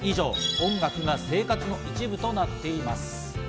音楽が生活の一部となっています。